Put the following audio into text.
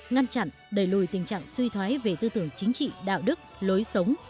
ngăn chặn đẩy lùi tình trạng suy thoái về tư tưởng chính trị đạo đức lối sống